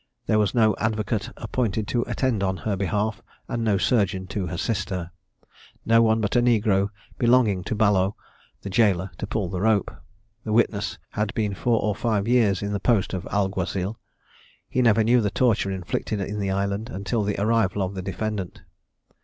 There was no advocate appointed to attend on her behalf, and no surgeon to assist her. No one but a negro, belonging to Ballot, the gaoler, to pull the rope. The witness had been four or five [Illustration: The Torture. p. 426] years in the post of alguazil. He never knew the torture inflicted in the island, until the arrival of the defendant.